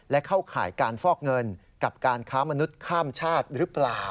และเข้าข่ายการฟอกเงินกับการค้ามนุษย์ข้ามชาติหรือเปล่า